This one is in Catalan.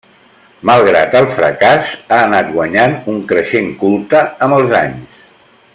Malgrat el fracàs, ha anat guanyant un creixent culte amb els anys.